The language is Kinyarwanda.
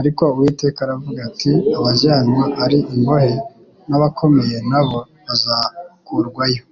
Ariko Uwiteka aravuga ati : abajyanwa ari imbohe n'abakomeye nabo bazakurwayo,